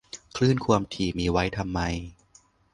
คลื่นความถี่มีไว้ทำไม